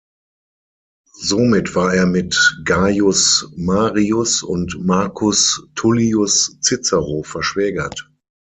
Somit war er mit Gaius Marius und Marcus Tullius Cicero verschwägert.